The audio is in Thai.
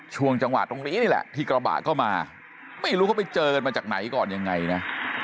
ช่วงจังหวะตรงนี้นี่แหละที่กระบะเข้ามาไม่รู้เขาไปเจอกันมาจากไหนก่อนยังไงนะ